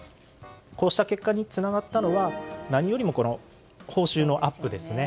こうした結果につながったのは何よりも報酬のアップですね。